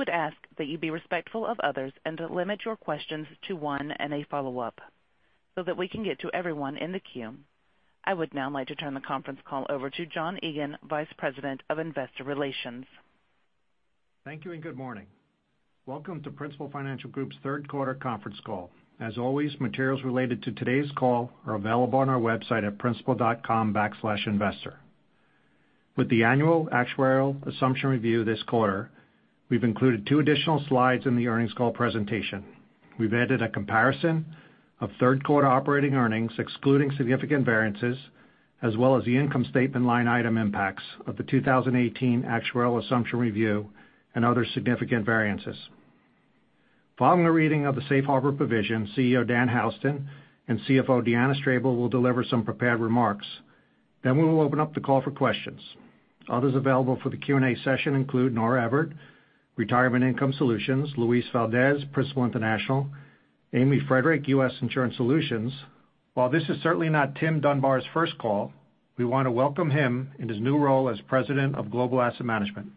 We would ask that you be respectful of others and to limit your questions to one and a follow-up so that we can get to everyone in the queue. I would now like to turn the conference call over to John Egan, Vice President of Investor Relations. Thank you. Good morning. Welcome to Principal Financial Group's third quarter conference call. As always, materials related to today's call are available on our website at principal.com/investor. With the annual actuarial assumption review this quarter, we've included two additional slides in the earnings call presentation. We've added a comparison of third quarter operating earnings, excluding significant variances, as well as the income statement line item impacts of the 2018 actuarial assumption review and other significant variances. Following the reading of the Safe Harbor provision, CEO Dan Houston and CFO Deanna Strable will deliver some prepared remarks. We will open up the call for questions. Others available for the Q&A session include Nora Everett, Retirement and Income Solutions, Luis Valdés, Principal International, Amy Friedrich, U.S. Insurance Solutions. While this is certainly not Tim Dunbar's first call, we want to welcome him in his new role as President of Global Asset Management.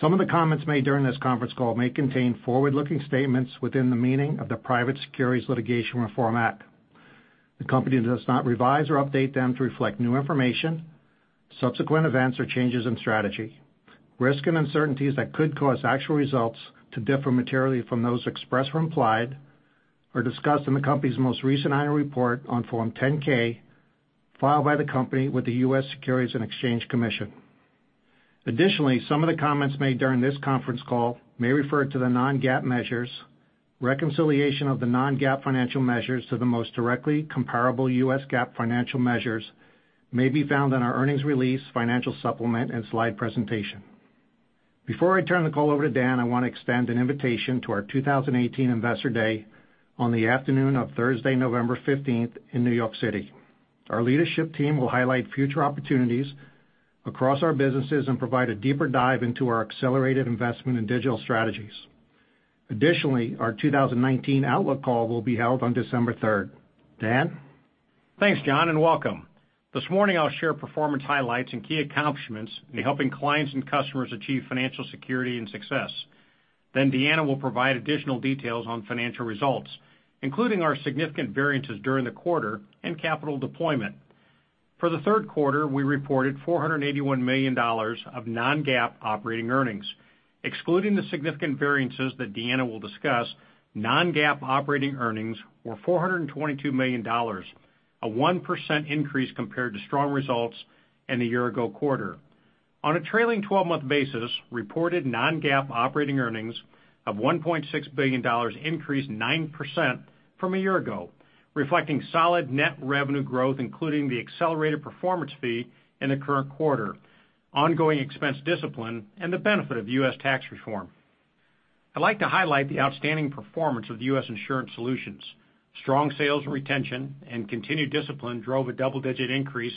Some of the comments made during this conference call may contain forward-looking statements within the meaning of the Private Securities Litigation Reform Act. The company does not revise or update them to reflect new information, subsequent events, or changes in strategy. Risk and uncertainties that could cause actual results to differ materially from those expressed or implied are discussed in the company's most recent annual report on Form 10-K filed by the company with the U.S. Securities and Exchange Commission. Additionally, some of the comments made during this conference call may refer to the non-GAAP measures. Reconciliation of the non-GAAP financial measures to the most directly comparable U.S. GAAP financial measures may be found on our earnings release, financial supplement, and slide presentation. Before I turn the call over to Dan, I want to extend an invitation to our 2018 Investor Day on the afternoon of Thursday, November 15th, in New York City. Our leadership team will highlight future opportunities across our businesses and provide a deeper dive into our accelerated investment in digital strategies. Our 2019 outlook call will be held on December 3rd. Dan? Thanks, John, and welcome. This morning I'll share performance highlights and key accomplishments in helping clients and customers achieve financial security and success. Deanna will provide additional details on financial results, including our significant variances during the quarter and capital deployment. For the third quarter, we reported $481 million of non-GAAP operating earnings. Excluding the significant variances that Deanna will discuss, non-GAAP operating earnings were $422 million, a 1% increase compared to strong results in the year ago quarter. On a trailing 12-month basis, reported non-GAAP operating earnings of $1.6 billion increased 9% from a year ago, reflecting solid net revenue growth, including the accelerated performance fee in the current quarter, ongoing expense discipline, and the benefit of U.S. tax reform. I'd like to highlight the outstanding performance of U.S. Insurance Solutions. Strong sales retention and continued discipline drove a double-digit increase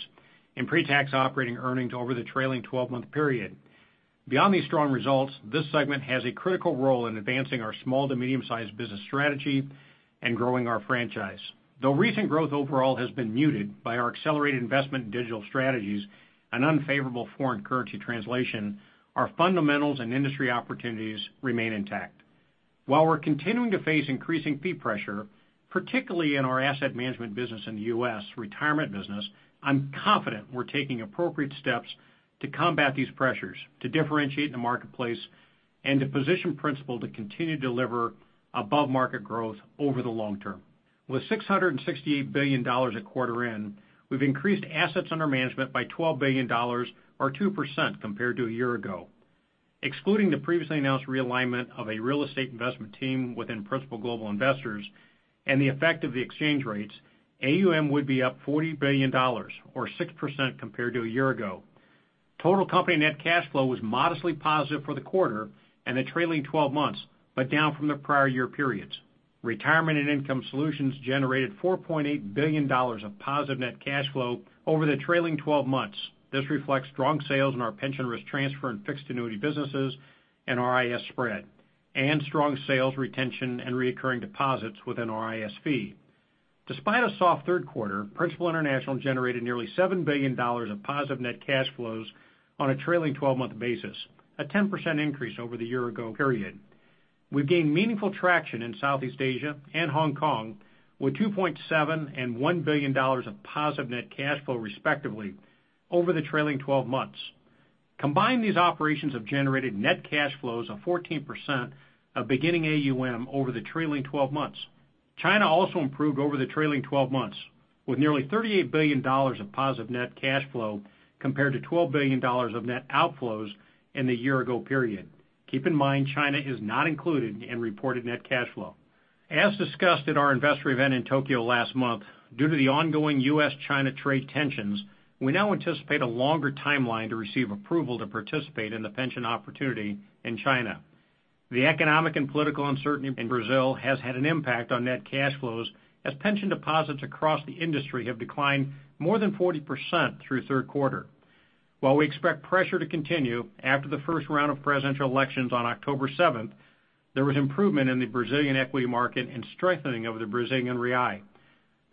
in pre-tax operating earnings over the trailing 12-month period. Beyond these strong results, this segment has a critical role in advancing our small to medium-sized business strategy and growing our franchise. Though recent growth overall has been muted by our accelerated investment in digital strategies and unfavorable foreign currency translation, our fundamentals and industry opportunities remain intact. While we're continuing to face increasing fee pressure, particularly in our asset management business in the U.S. retirement business, I'm confident we're taking appropriate steps to combat these pressures, to differentiate in the marketplace, and to position Principal to continue to deliver above-market growth over the long term. With $668 billion at quarter end, we've increased assets under management by $12 billion, or 2% compared to a year ago. Excluding the previously announced realignment of a real estate investment team within Principal Global Investors and the effect of the exchange rates, AUM would be up $40 billion, or 6% compared to a year ago. Total company net cash flow was modestly positive for the quarter and the trailing 12 months, but down from the prior year periods. Retirement and Income Solutions generated $4.8 billion of positive net cash flow over the trailing 12 months. This reflects strong sales in our pension risk transfer and fixed annuity businesses and RIS spread, and strong sales, retention, and reoccurring deposits within RIS fee. Despite a soft third quarter, Principal International generated nearly $7 billion of positive net cash flows on a trailing 12-month basis, a 10% increase over the year ago period. We've gained meaningful traction in Southeast Asia and Hong Kong, with $2.7 and $1 billion of positive net cash flow, respectively, over the trailing 12 months. Combined, these operations have generated net cash flows of 14% of beginning AUM over the trailing 12 months. China also improved over the trailing 12 months, with nearly $38 billion of positive net cash flow compared to $12 billion of net outflows in the year ago period. Keep in mind, China is not included in reported net cash flow. As discussed at our investor event in Tokyo last month, due to the ongoing U.S.-China trade tensions, we now anticipate a longer timeline to receive approval to participate in the pension opportunity in China. The economic and political uncertainty in Brazil has had an impact on net cash flows as pension deposits across the industry have declined more than 40% through third quarter. While we expect pressure to continue after the first round of presidential elections on October 7th, there was improvement in the Brazilian equity market and strengthening of the Brazilian real.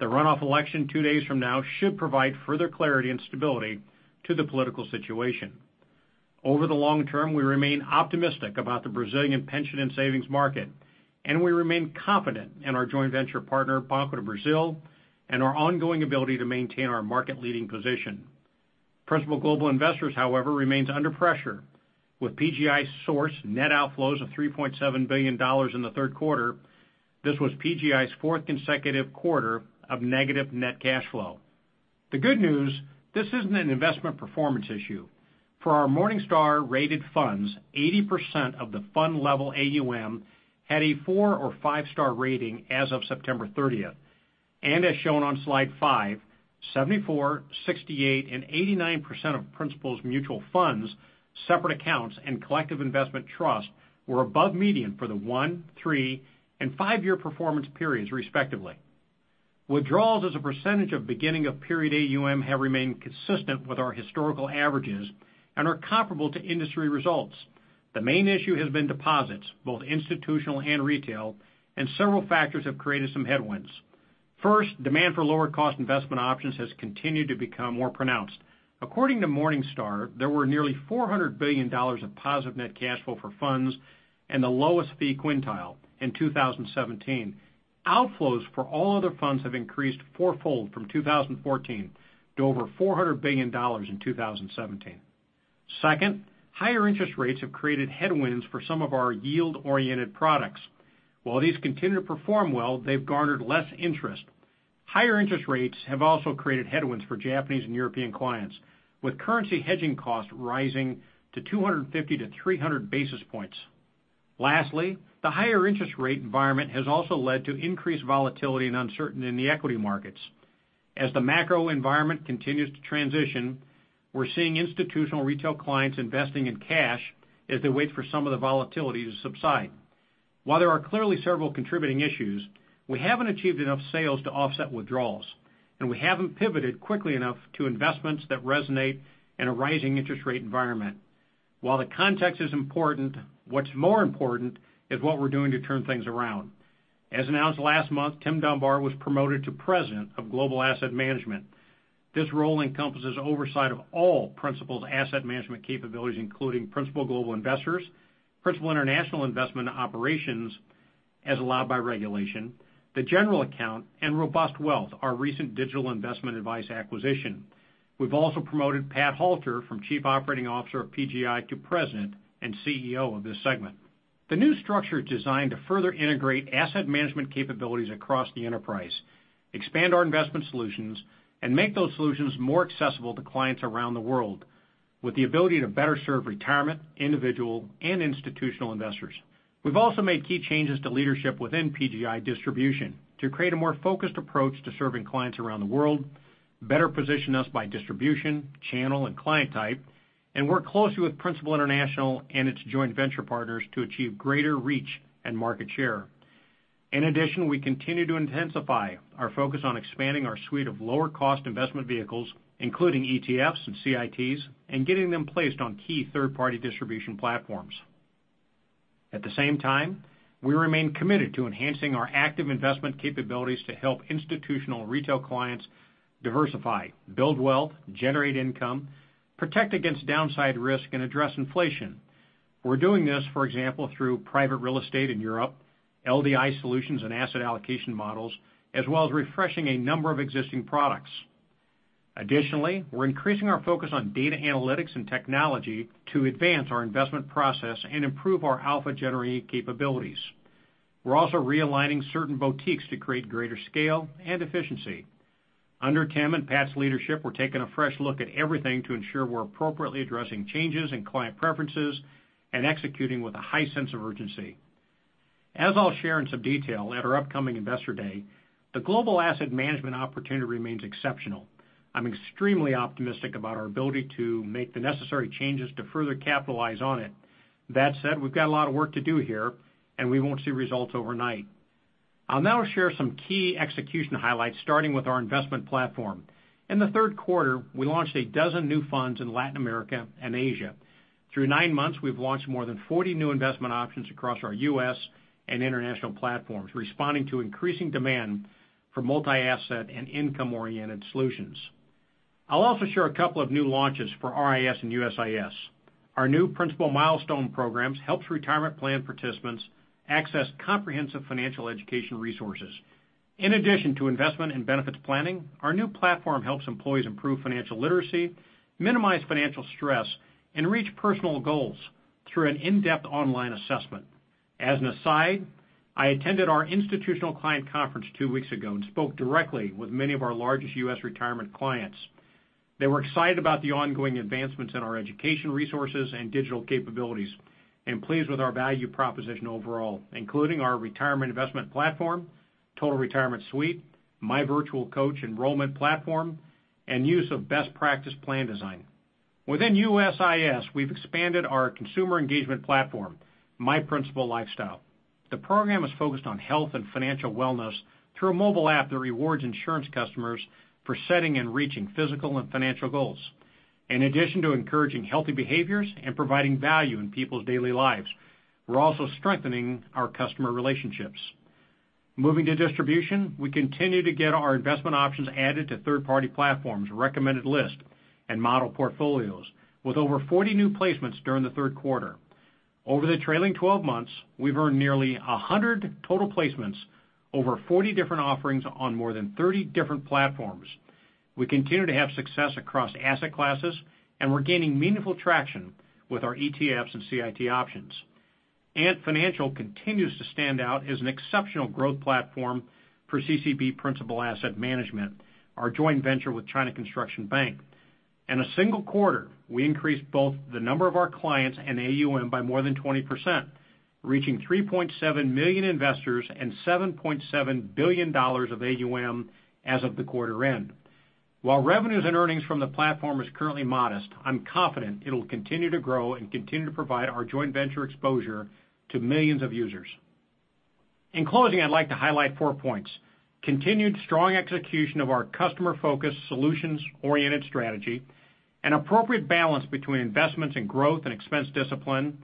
The runoff election two days from now should provide further clarity and stability to the political situation. Over the long term, we remain optimistic about the Brazilian pension and savings market, and we remain confident in our joint venture partner, Banco do Brasil, and our ongoing ability to maintain our market-leading position. Principal Global Investors, however, remains under pressure, with PGI Source net outflows of $3.7 billion in the third quarter. This was PGI's fourth consecutive quarter of negative net cash flow. The good news, this isn't an investment performance issue. For our Morningstar-rated funds, 80% of the fund level AUM had a four or five-star rating as of September 30th, and as shown on slide five, 74%, 68% and 89% of Principal's mutual funds, separate accounts, and collective investment trust were above median for the one, three, and five-year performance periods, respectively. Withdrawals as a percentage of beginning of period AUM have remained consistent with our historical averages and are comparable to industry results. The main issue has been deposits, both institutional and retail, and several factors have created some headwinds. First, demand for lower cost investment options has continued to become more pronounced. According to Morningstar, there were nearly $400 billion of positive net cash flow for funds and the lowest fee quintile in 2017. Outflows for all other funds have increased fourfold from 2014 to over $400 billion in 2017. Second, higher interest rates have created headwinds for some of our yield-oriented products. While these continue to perform well, they've garnered less interest. Higher interest rates have also created headwinds for Japanese and European clients, with currency hedging costs rising to 250 to 300 basis points. Lastly, the higher interest rate environment has also led to increased volatility and uncertainty in the equity markets. As the macro environment continues to transition, we're seeing institutional retail clients investing in cash as they wait for some of the volatility to subside. While there are clearly several contributing issues, we haven't achieved enough sales to offset withdrawals, and we haven't pivoted quickly enough to investments that resonate in a rising interest rate environment. While the context is important, what's more important is what we're doing to turn things around. As announced last month, Tim Dunbar was promoted to President of Global Asset Management. This role encompasses oversight of all Principal's asset management capabilities, including Principal Global Investors, Principal International Investment Operations as allowed by regulation, the general account, and RobustWealth, our recent digital investment advice acquisition. We've also promoted Pat Halter from Chief Operating Officer of PGI to President and CEO of this segment. The new structure is designed to further integrate asset management capabilities across the enterprise, expand our investment solutions, and make those solutions more accessible to clients around the world with the ability to better serve retirement, individual, and institutional investors. We've also made key changes to leadership within PGI Distribution to create a more focused approach to serving clients around the world, better position us by distribution, channel, and client type, and work closely with Principal International and its joint venture partners to achieve greater reach and market share. In addition, we continue to intensify our focus on expanding our suite of lower cost investment vehicles, including ETFs and CITs, and getting them placed on key third-party distribution platforms. At the same time, we remain committed to enhancing our active investment capabilities to help institutional retail clients diversify, build wealth, generate income, protect against downside risk, and address inflation. We're doing this, for example, through private real estate in Europe, LDI solutions and asset allocation models, as well as refreshing a number of existing products. Additionally, we're increasing our focus on data analytics and technology to advance our investment process and improve our alpha-generating capabilities. We're also realigning certain boutiques to create greater scale and efficiency. Under Tim and Pat's leadership, we're taking a fresh look at everything to ensure we're appropriately addressing changes in client preferences and executing with a high sense of urgency. As I'll share in some detail at our upcoming Investor Day, the global asset management opportunity remains exceptional. I'm extremely optimistic about our ability to make the necessary changes to further capitalize on it. That said, we've got a lot of work to do here, and we won't see results overnight. I'll now share some key execution highlights, starting with our investment platform. In the third quarter, we launched a dozen new funds in Latin America and Asia. Through nine months, we've launched more than 40 new investment options across our U.S. and international platforms, responding to increasing demand for multi-asset and income-oriented solutions. I'll also share a couple of new launches for RIS and USIS. Our new Principal Milestone program helps retirement plan participants access comprehensive financial education resources. In addition to investment and benefits planning, our new platform helps employees improve financial literacy, minimize financial stress, and reach personal goals through an in-depth online assessment. As an aside, I attended our institutional client conference two weeks ago and spoke directly with many of our largest U.S. retirement clients. They were excited about the ongoing advancements in our education resources and digital capabilities and pleased with our value proposition overall, including our retirement investment platform, Total Retirement Suite, My Virtual Coach enrollment platform, and use of best practice plan design. Within USIS, we've expanded our consumer engagement platform, My Principal Lifestyle. The program is focused on health and financial wellness through a mobile app that rewards insurance customers for setting and reaching physical and financial goals. In addition to encouraging healthy behaviors and providing value in people's daily lives, we're also strengthening our customer relationships. Moving to distribution, we continue to get our investment options added to third-party platforms, recommended list, and model portfolios with over 40 new placements during the third quarter. Over the trailing 12 months, we've earned nearly 100 total placements, over 40 different offerings on more than 30 different platforms. We continue to have success across asset classes, and we're gaining meaningful traction with our ETFs and CIT options. Ant Financial continues to stand out as an exceptional growth platform for CCB Principal Asset Management, our joint venture with China Construction Bank. In a single quarter, we increased both the number of our clients and AUM by more than 20%, reaching 3.7 million investors and $7.7 billion of AUM as of the quarter end. While revenues and earnings from the platform is currently modest, I'm confident it'll continue to grow and continue to provide our joint venture exposure to millions of users. In closing, I'd like to highlight four points. Continued strong execution of our customer-focused, solutions-oriented strategy, an appropriate balance between investments and growth and expense discipline,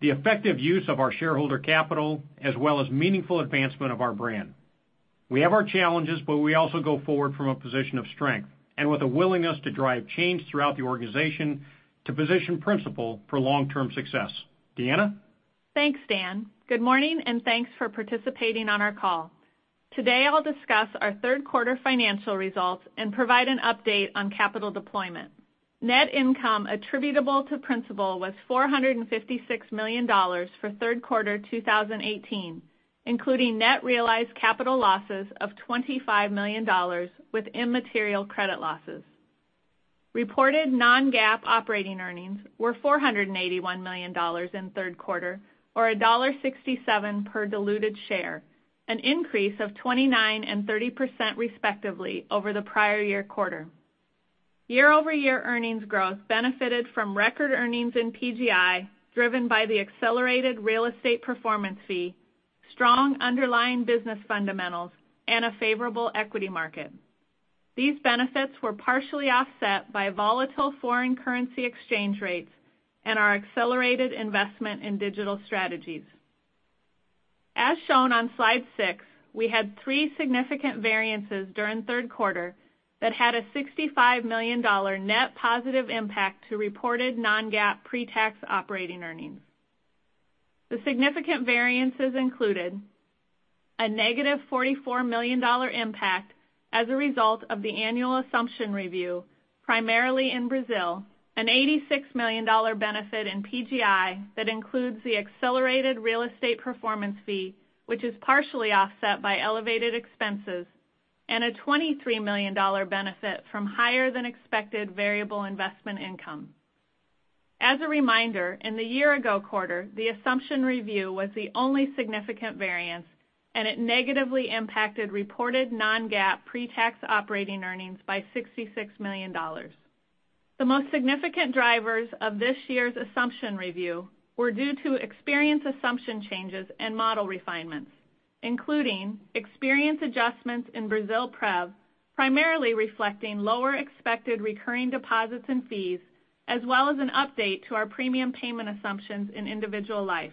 the effective use of our shareholder capital, as well as meaningful advancement of our brand. We have our challenges, but we also go forward from a position of strength and with a willingness to drive change throughout the organization to position Principal for long-term success. Deanna? Thanks, Dan. Good morning, and thanks for participating on our call. Today, I'll discuss our third quarter financial results and provide an update on capital deployment. Net income attributable to Principal was $456 million for third quarter 2018, including net realized capital losses of $25 million with immaterial credit losses. Reported non-GAAP operating earnings were $481 million in third quarter or $1.67 per diluted share, an increase of 29% and 30% respectively over the prior year quarter. Year-over-year earnings growth benefited from record earnings in PGI, driven by the accelerated real estate performance fee, strong underlying business fundamentals, and a favorable equity market. These benefits were partially offset by volatile foreign currency exchange rates and our accelerated investment in digital strategies. As shown on slide six, we had three significant variances during third quarter that had a $65 million net positive impact to reported non-GAAP pre-tax operating earnings. The significant variances included a negative $44 million impact as a result of the annual assumption review, primarily in Brazil, an $86 million benefit in PGI that includes the accelerated real estate performance fee, which is partially offset by elevated expenses, and a $23 million benefit from higher than expected variable investment income. As a reminder, in the year-ago quarter, the assumption review was the only significant variance, and it negatively impacted reported non-GAAP pre-tax operating earnings by $66 million. The most significant drivers of this year's assumption review were due to experience assumption changes and model refinements, including experience adjustments in Brasilprev, primarily reflecting lower expected recurring deposits and fees, as well as an update to our premium payment assumptions in individual life,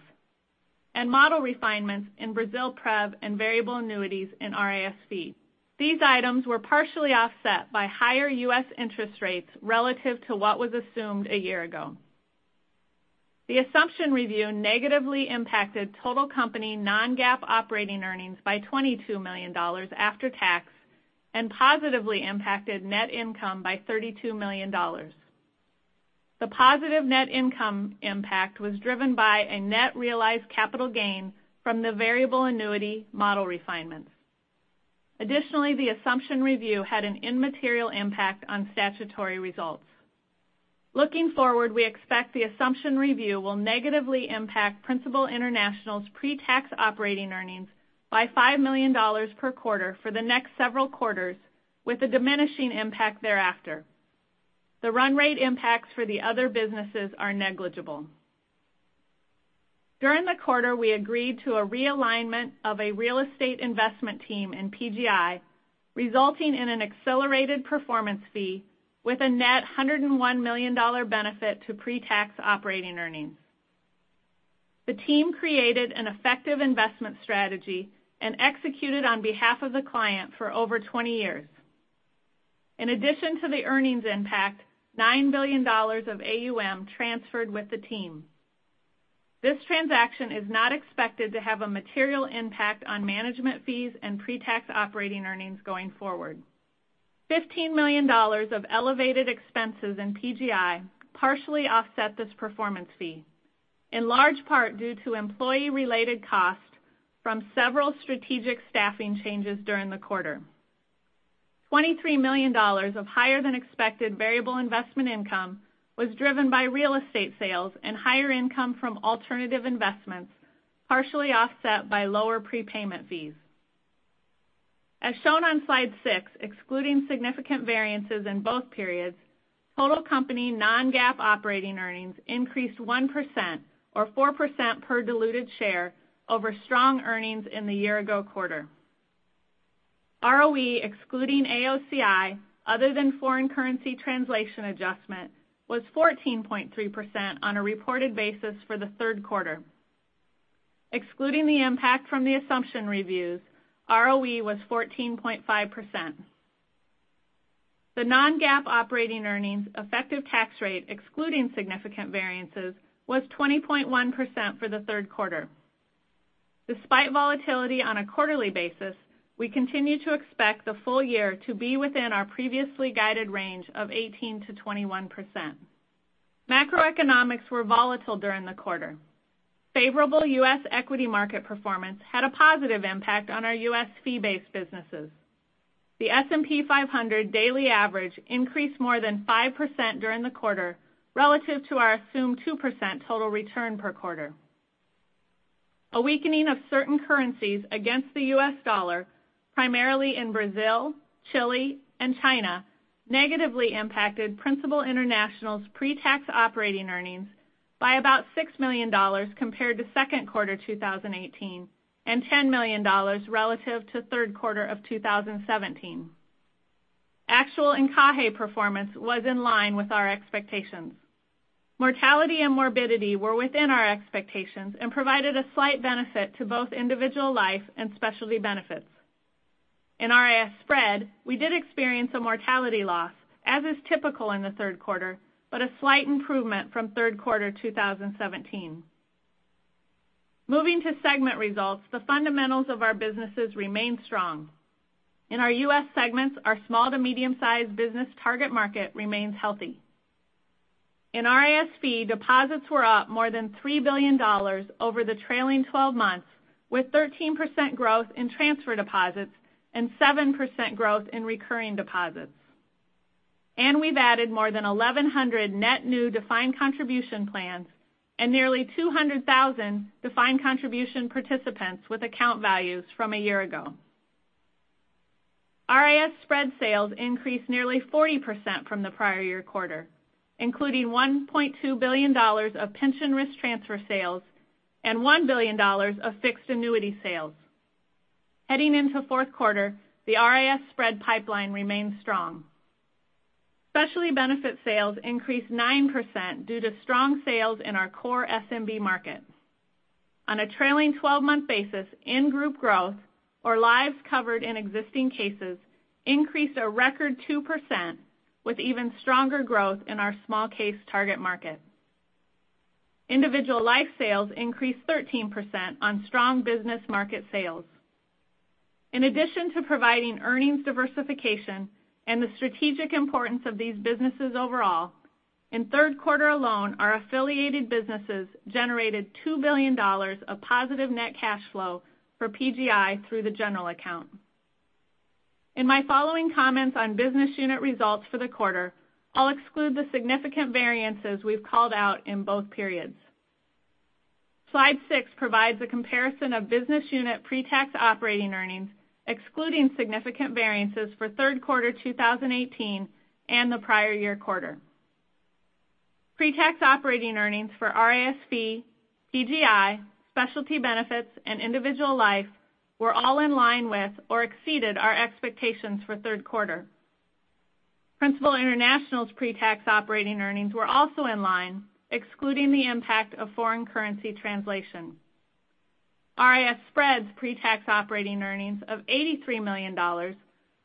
and model refinements in Brasilprev and variable annuities in RIS-Fee. These items were partially offset by higher U.S. interest rates relative to what was assumed a year ago. The assumption review negatively impacted total company non-GAAP operating earnings by $22 million after tax and positively impacted net income by $32 million. The positive net income impact was driven by a net realized capital gain from the variable annuity model refinements. Additionally, the assumption review had an immaterial impact on statutory results. Looking forward, we expect the assumption review will negatively impact Principal International's pre-tax operating earnings by $5 million per quarter for the next several quarters with a diminishing impact thereafter. The run rate impacts for the other businesses are negligible. During the quarter, we agreed to a realignment of a real estate investment team in PGI, resulting in an accelerated performance fee with a net $101 million benefit to pre-tax operating earnings. The team created an effective investment strategy and executed on behalf of the client for over 20 years. In addition to the earnings impact, $9 billion of AUM transferred with the team. This transaction is not expected to have a material impact on management fees and pre-tax operating earnings going forward. $15 million of elevated expenses in PGI partially offset this performance fee, in large part due to employee-related costs from several strategic staffing changes during the quarter. $23 million of higher than expected variable investment income was driven by real estate sales and higher income from alternative investments, partially offset by lower prepayment fees. As shown on slide six, excluding significant variances in both periods, total company non-GAAP operating earnings increased 1% or 4% per diluted share over strong earnings in the year-ago quarter. ROE, excluding AOCI, other than foreign currency translation adjustment, was 14.3% on a reported basis for the third quarter. Excluding the impact from the assumption reviews, ROE was 14.5%. The non-GAAP operating earnings effective tax rate, excluding significant variances, was 20.1% for the third quarter. Despite volatility on a quarterly basis, we continue to expect the full year to be within our previously guided range of 18%-21%. Macroeconomics were volatile during the quarter. Favorable U.S. equity market performance had a positive impact on our U.S. fee-based businesses. The S&P 500 daily average increased more than 5% during the quarter relative to our assumed 2% total return per quarter. A weakening of certain currencies against the U.S. dollar, primarily in Brazil, Chile, and China, negatively impacted Principal International's pre-tax operating earnings by about $6 million compared to second quarter 2018, and $10 million relative to third quarter of 2017. Actual encaje performance was in line with our expectations. Mortality and morbidity were within our expectations and provided a slight benefit to both individual life and specialty benefits. In RIS spread, we did experience a mortality loss, as is typical in the third quarter, but a slight improvement from third quarter 2017. Moving to segment results, the fundamentals of our businesses remain strong. In our U.S. segments, our small to medium-sized business target market remains healthy. In RIS fee, deposits were up more than $3 billion over the trailing 12 months, with 13% growth in transfer deposits and 7% growth in recurring deposits. We've added more than 1,100 net new defined contribution plans and nearly 200,000 defined contribution participants with account values from a year ago. RIS spread sales increased nearly 40% from the prior year quarter, including $1.2 billion of pension risk transfer sales and $1 billion of fixed annuity sales. Heading into fourth quarter, the RIS spread pipeline remains strong. Specialty benefit sales increased 9% due to strong sales in our core SMB markets. On a trailing 12-month basis, in-group growth, or lives covered in existing cases, increased a record 2%, with even stronger growth in our small case target market. Individual life sales increased 13% on strong business market sales. In addition to providing earnings diversification and the strategic importance of these businesses overall, in third quarter alone, our affiliated businesses generated $2 billion of positive net cash flow for PGI through the general account. In my following comments on business unit results for the quarter, I'll exclude the significant variances we've called out in both periods. Slide six provides a comparison of business unit pre-tax operating earnings, excluding significant variances for third quarter 2018 and the prior year quarter. Pre-tax operating earnings for RIS-Fee, PGI, specialty benefits, and individual life were all in line with or exceeded our expectations for third quarter. Principal International's pre-tax operating earnings were also in line, excluding the impact of foreign currency translation. RIS-Spread's pre-tax operating earnings of $83 million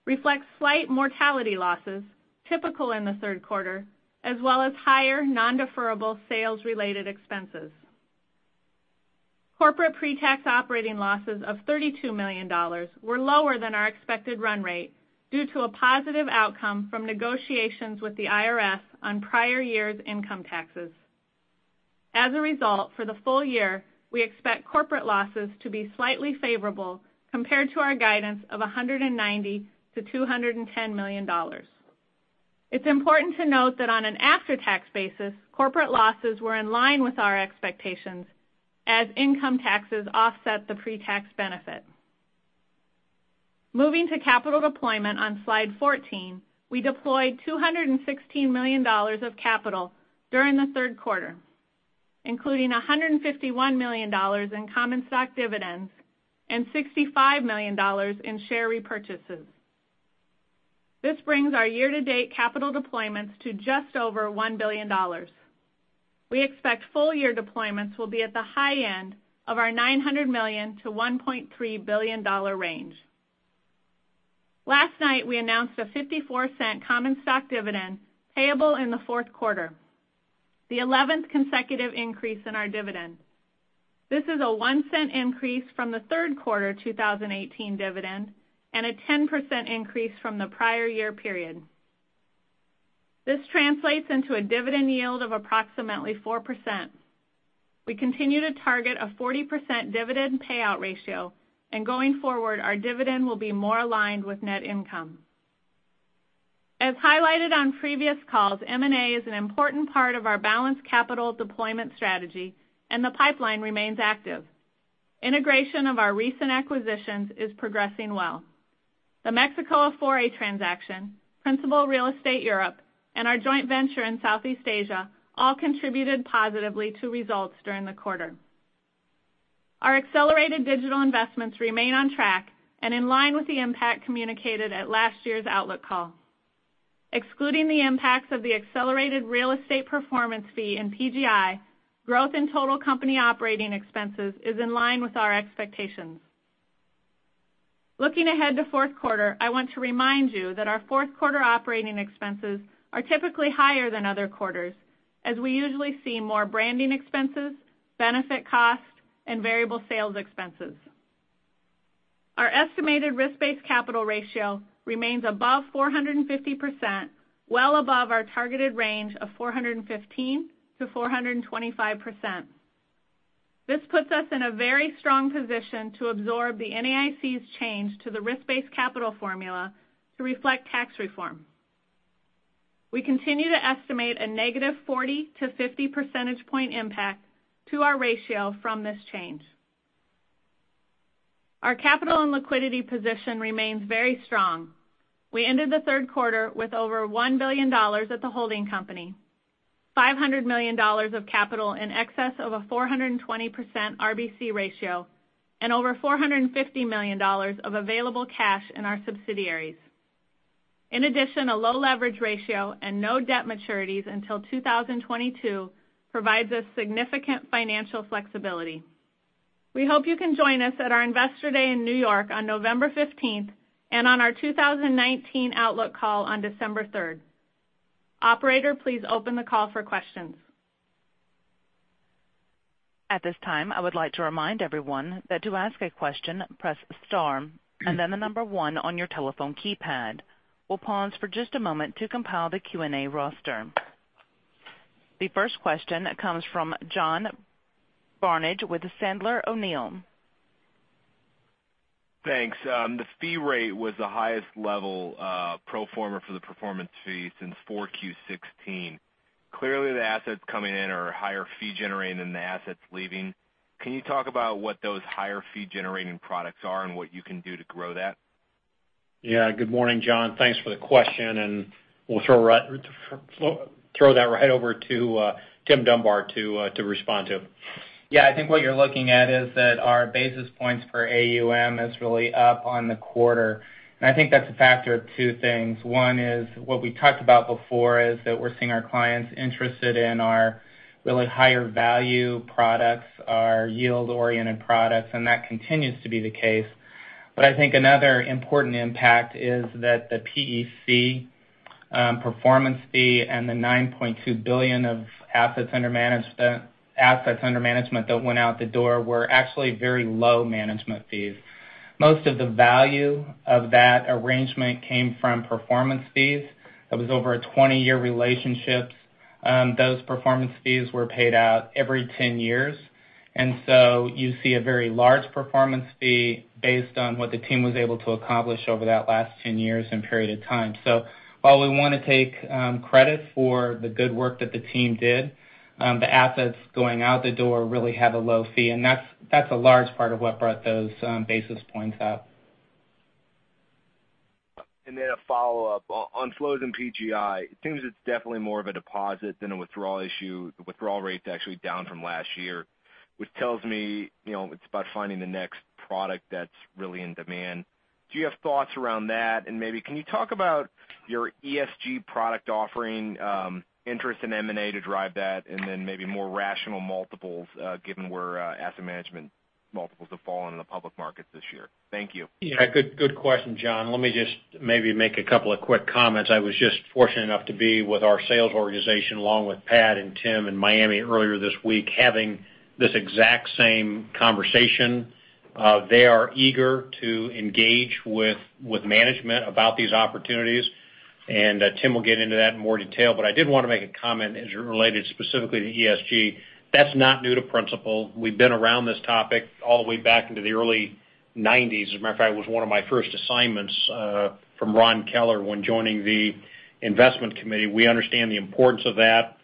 reflects slight mortality losses typical in the third quarter, as well as higher non-deferrable sales related expenses. Corporate pre-tax operating losses of $32 million were lower than our expected run rate due to a positive outcome from negotiations with the IRS on prior year's income taxes. For the full year, we expect corporate losses to be slightly favorable compared to our guidance of $190 million-$210 million. It's important to note that on an after-tax basis, corporate losses were in line with our expectations as income taxes offset the pre-tax benefit. Moving to capital deployment on slide 14, we deployed $216 million of capital during the third quarter, including $151 million in common stock dividends and $65 million in share repurchases. This brings our year-to-date capital deployments to just over $1 billion. We expect full year deployments will be at the high end of our $900 million-$1.3 billion range. Last night, we announced a $0.54 common stock dividend payable in the fourth quarter, the 11th consecutive increase in our dividend. This is a $0.01 increase from the third quarter 2018 dividend, a 10% increase from the prior year period. This translates into a dividend yield of approximately 4%. We continue to target a 40% dividend payout ratio, going forward, our dividend will be more aligned with net income. M&A is an important part of our balanced capital deployment strategy and the pipeline remains active. Integration of our recent acquisitions is progressing well. The Mexico AFORE transaction, Principal Real Estate Europe, and our joint venture in Southeast Asia all contributed positively to results during the quarter. Our accelerated digital investments remain on track and in line with the impact communicated at last year's outlook call. Excluding the impacts of the accelerated real estate performance fee in PGI, growth in total company operating expenses is in line with our expectations. Looking ahead to fourth quarter, I want to remind you that our fourth quarter operating expenses are typically higher than other quarters, as we usually see more branding expenses, benefit costs, and variable sales expenses. Our estimated risk-based capital ratio remains above 450%, well above our targeted range of 415%-425%. This puts us in a very strong position to absorb the NAIC's change to the risk-based capital formula to reflect tax reform. We continue to estimate a negative 40-50 percentage point impact to our ratio from this change. Our capital and liquidity position remains very strong. We ended the third quarter with over $1 billion at the holding company, $500 million of capital in excess of a 420% RBC ratio, and over $450 million of available cash in our subsidiaries. In addition, a low leverage ratio and no debt maturities until 2022 provides us significant financial flexibility. We hope you can join us at our Investor Day in New York on November 15th and on our 2019 outlook call on December 3rd. Operator, please open the call for questions. At this time, I would like to remind everyone that to ask a question, press star and then the number one on your telephone keypad. We'll pause for just a moment to compile the Q&A roster. The first question comes from John Barnidge with Sandler O'Neill. Thanks. The fee rate was the highest level pro forma for the performance fee since 4Q16. Clearly, the assets coming in are higher fee generating than the assets leaving. Can you talk about what those higher fee generating products are and what you can do to grow that? Yeah. Good morning, John. Thanks for the question, and we'll throw that right over to Tim Dunbar to respond to. I think what you're looking at is that our basis points for AUM is really up on the quarter. I think that's a factor of two things. One is what we talked about before is that we're seeing our clients interested in our really higher value products, our yield-oriented products, and that continues to be the case. I think another important impact is that the PEC performance fee and the $9.2 billion of assets under management that went out the door were actually very low management fees. Most of the value of that arrangement came from performance fees. That was over a 20-year relationship. Those performance fees were paid out every 10 years. You see a very large performance fee based on what the team was able to accomplish over that last 10 years and period of time. While we want to take credit for the good work that the team did, the assets going out the door really have a low fee, and that's a large part of what brought those basis points up. A follow-up. On flows in PGI, it seems it's definitely more of a deposit than a withdrawal issue. The withdrawal rate's actually down from last year, which tells me it's about finding the next product that's really in demand. Do you have thoughts around that? Maybe can you talk about your ESG product offering, interest in M&A to drive that, and then maybe more rational multiples, given where asset management multiples have fallen in the public markets this year? Thank you. Good question, John. Let me just maybe make a couple of quick comments. I was just fortunate enough to be with our sales organization, along with Pat and Tim in Miami earlier this week, having this exact same conversation. They are eager to engage with management about these opportunities, and Tim will get into that in more detail. I did want to make a comment as it related specifically to ESG. That's not new to Principal. We've been around this topic all the way back into the early 1990s. As a matter of fact, it was one of my first assignments from Ron Keller when joining the investment committee. We understand the importance of that.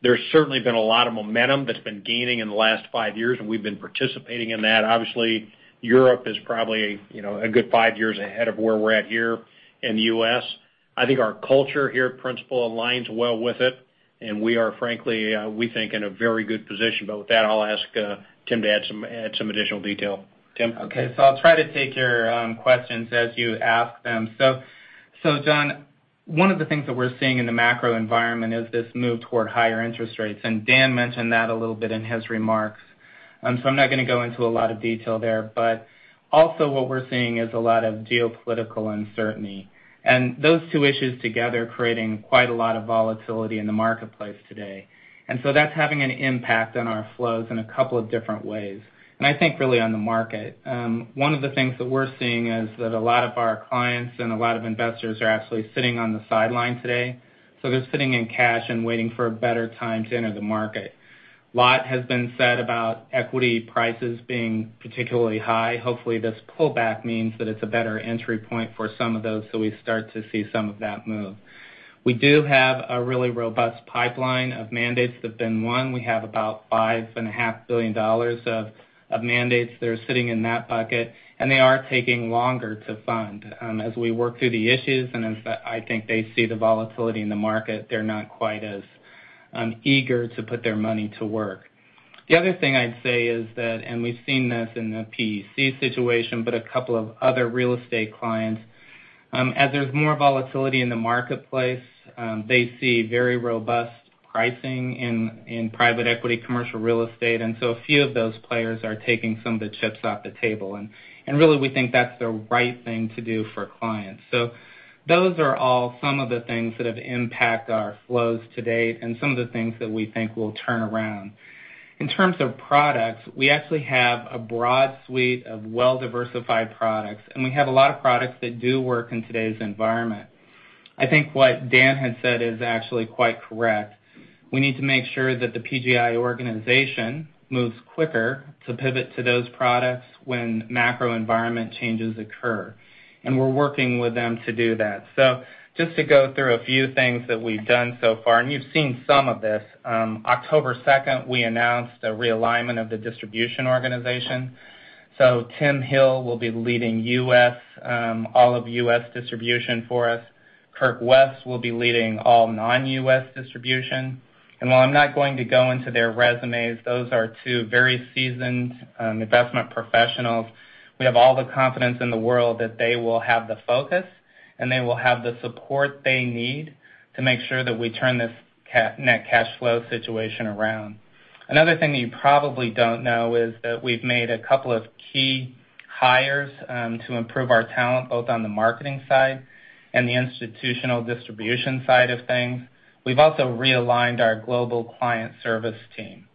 There's certainly been a lot of momentum that's been gaining in the last five years, and we've been participating in that. Obviously, Europe is probably a good five years ahead of where we're at here in the U.S. I think our culture here at Principal aligns well with it, and we are, frankly, we think, in a very good position. With that, I'll ask Tim to add some additional detail. Tim? Okay, I'll try to take your questions as you ask them. John, one of the things that we're seeing in the macro environment is this move toward higher interest rates, and Dan mentioned that a little bit in his remarks. I'm not going to go into a lot of detail there, but also what we're seeing is a lot of geopolitical uncertainty. Those two issues together are creating quite a lot of volatility in the marketplace today. That's having an impact on our flows in a couple of different ways, and I think really on the market. One of the things that we're seeing is that a lot of our clients and a lot of investors are actually sitting on the sideline today. They're sitting in cash and waiting for a better time to enter the market. A lot has been said about equity prices being particularly high. Hopefully, this pullback means that it's a better entry point for some of those, so we start to see some of that move. We do have a really robust pipeline of mandates that have been won. We have about $5.5 billion of mandates that are sitting in that bucket, and they are taking longer to fund. As we work through the issues, and as I think they see the volatility in the market, they're not quite as eager to put their money to work. The other thing I'd say is that, and we've seen this in the PEC situation, but a couple of other real estate clients, as there's more volatility in the marketplace, they see very robust pricing in private equity commercial real estate. A few of those players are taking some of the chips off the table. Really we think that's the right thing to do for clients. Those are all some of the things that have impact our flows to date and some of the things that we think will turn around. In terms of products, we actually have a broad suite of well-diversified products. We have a lot of products that do work in today's environment. I think what Dan had said is actually quite correct. We need to make sure that the PGI organization moves quicker to pivot to those products when macro environment changes occur. We're working with them to do that. Just to go through a few things that we've done so far, and you've seen some of this. October 2nd, we announced a realignment of the distribution organization. Tim Hill will be leading all of U.S. distribution for us. Kirk West will be leading all non-U.S. distribution. While I'm not going to go into their resumes, those are two very seasoned investment professionals. We have all the confidence in the world that they will have the focus, and they will have the support they need to make sure that we turn this net cash flow situation around. Another thing that you probably don't know is that we've made a couple of key hires to improve our talent, both on the marketing side and the institutional distribution side of things. We've also realigned our global client service team.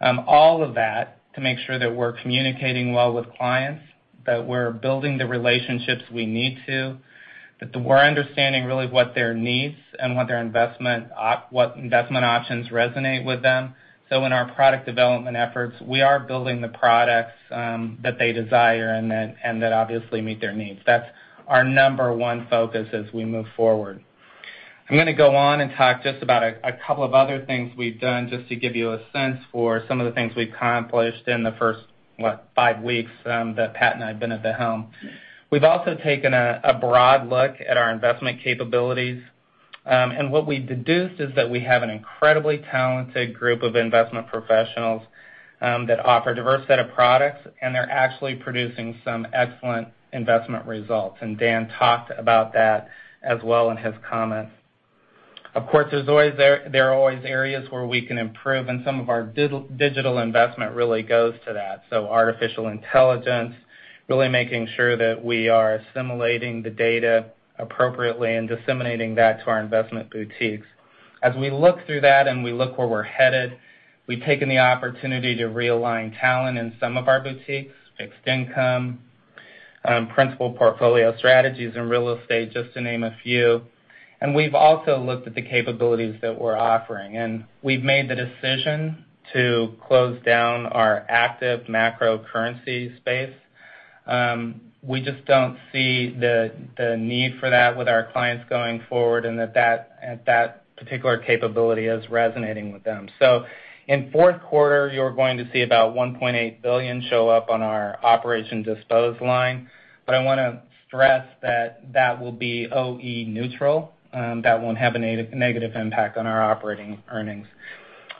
All of that to make sure that we're communicating well with clients, that we're building the relationships we need to, that we're understanding really what their needs and what investment options resonate with them. In our product development efforts, we are building the products that they desire and that obviously meet their needs. That's our number one focus as we move forward. I'm going to go on and talk just about a couple of other things we've done just to give you a sense for some of the things we've accomplished in the first, what, five weeks that Pat and I have been at the helm. We've also taken a broad look at our investment capabilities. What we deduced is that we have an incredibly talented group of investment professionals that offer diverse set of products, and they're actually producing some excellent investment results. Dan talked about that as well in his comments. Of course, there are always areas where we can improve, and some of our digital investment really goes to that. Artificial intelligence, really making sure that we are assimilating the data appropriately and disseminating that to our investment boutiques. As we look through that and we look where we're headed, we've taken the opportunity to realign talent in some of our boutiques, fixed income, Principal Portfolio Strategies, and real estate, just to name a few. We've also looked at the capabilities that we're offering. We've made the decision to close down our active macro currency space. We just don't see the need for that with our clients going forward and that particular capability as resonating with them. In fourth quarter, you're going to see about $1.8 billion show up on our operation disposed line. I want to stress that that will be OE neutral. That won't have a negative impact on our operating earnings.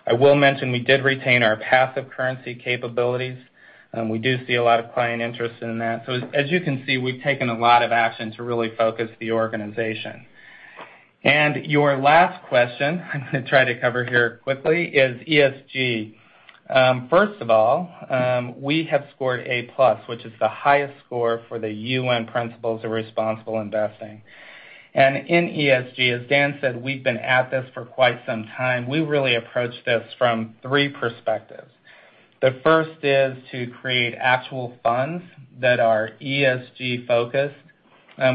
I will mention we did retain our passive currency capabilities. We do see a lot of client interest in that. As you can see, we've taken a lot of action to really focus the organization. Your last question I'm going to try to cover here quickly is ESG. First of all, we have scored A plus, which is the highest score for the UN Principles for Responsible Investment. In ESG, as Dan said, we've been at this for quite some time. We really approach this from three perspectives. The first is to create actual funds that are ESG-focused.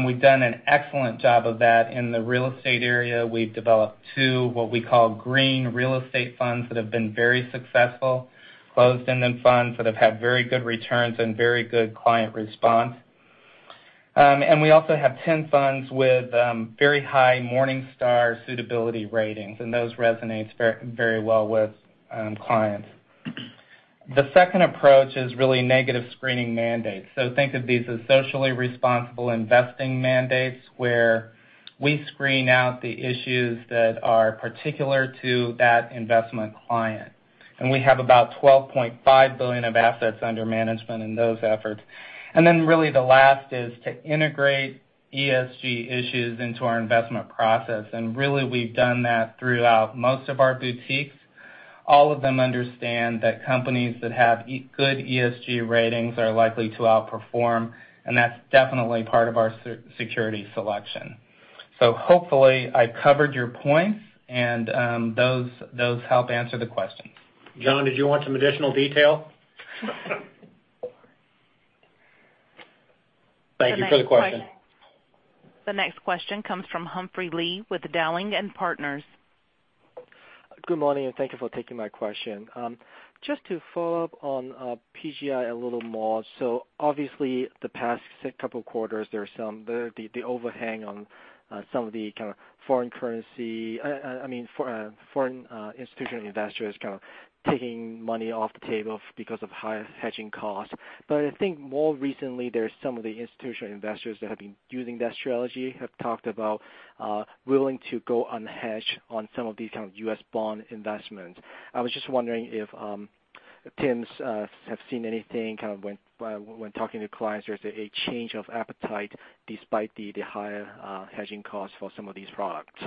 We've done an excellent job of that in the real estate area. We've developed two, what we call green real estate funds that have been very successful. Closed-ended funds that have had very good returns and very good client response. We also have 10 funds with very high Morningstar suitability ratings, and those resonates very well with clients. The second approach is really negative screening mandates. Think of these as socially responsible investing mandates, where we screen out the issues that are particular to that investment client. We have about $12.5 billion of assets under management in those efforts. Then really the last is to integrate ESG issues into our investment process. Really we've done that throughout most of our boutiques. All of them understand that companies that have good ESG ratings are likely to outperform, and that's definitely part of our security selection. Hopefully I covered your points and those help answer the questions. John, did you want some additional detail? Thank you for the question. The next question comes from Humphrey Lee with Dowling & Partners. Good morning, and thank you for taking my question. Just to follow up on PGI a little more. Obviously the past couple quarters, there's the overhang on some of the foreign institutional investors kind of taking money off the table because of higher hedging costs. I think more recently, there's some of the institutional investors that have been using that strategy have talked about willing to go unhedged on some of these kind of U.S. bond investments. I was just wondering if Tim has seen anything when talking to clients, there's a change of appetite despite the higher hedging costs for some of these products.